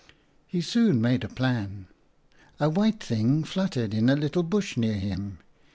He soon made a plan. A white thing fluttered in a little bush near him.